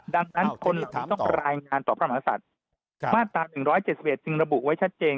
ดังนั้นคนถึงต้องรายงานต่อพระมหาศัตริย์มาตรา๑๗๑จึงระบุไว้ชัดเจน